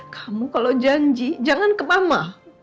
kamu kalau janji jangan ke mama